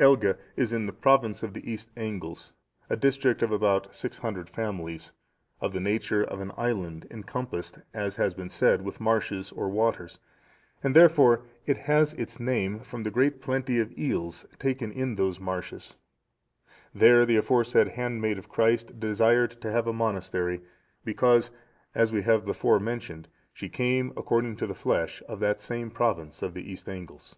Elge is in the province of the East Angles, a district of about six hundred families, of the nature of an island, encompassed, as has been said, with marshes or waters, and therefore it has its name from the great plenty of eels taken in those marshes; there the aforesaid handmaid of Christ desired to have a monastery, because, as we have before mentioned, she came, according to the flesh, of that same province of the East Angles.